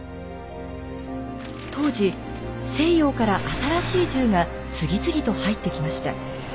当時西洋から新しい銃が次々と入ってきました。